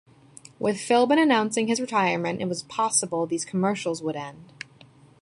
With Philbin announcing his retirement, it was possible these commercials would end.